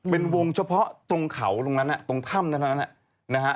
เป็นวงเฉพาะตรงเขาตรงนั้นน่ะตรงถ้ำตรงนั้นน่ะนะฮะ